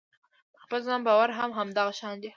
په خپل ځان باور هم همدغه شان دی.